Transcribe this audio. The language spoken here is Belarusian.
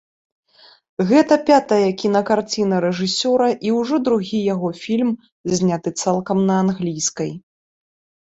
Гэта пятая кінакарціна рэжысёра і ўжо другі яго фільм, зняты цалкам на англійскай.